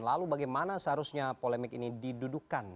lalu bagaimana seharusnya polemik ini didudukan